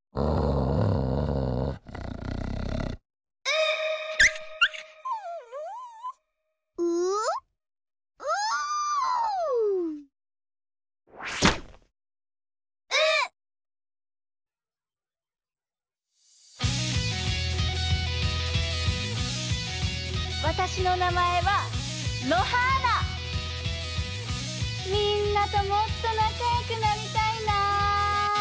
みんなともっとなかよくなりたいな。